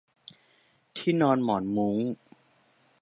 ที่นอนหมอนมุ้ง